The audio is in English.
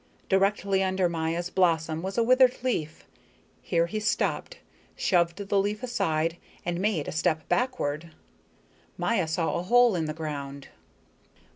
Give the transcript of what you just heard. Directly under Maya's blossom was a withered leaf. Here he stopped, shoved the leaf aside, and made a step backward. Maya saw a hole in the ground.